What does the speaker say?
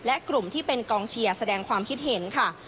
และกลุ่มที่เป็นกองเชียร์แสดงความคิดเห็นค่ะ